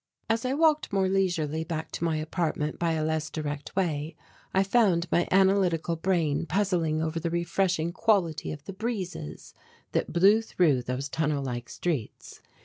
As I walked more leisurely back to my apartment by a less direct way, I found my analytical brain puzzling over the refreshing quality of the breezes that blew through those tunnel like streets.